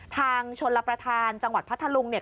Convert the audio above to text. ทางชนลประธานจังหวัดพัทลุงเนี่ย